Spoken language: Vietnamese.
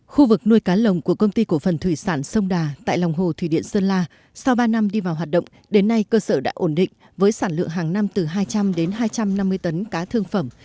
khu vực nuôi cá lồng của công ty cổ phần thủy sản sông đà tại lòng hồ thủy điện sơn la sau ba năm đi vào hoạt động đến nay cơ sở đã ổn định với sản lượng hàng năm từ hai trăm linh đến hai trăm năm mươi tấn cá thương phẩm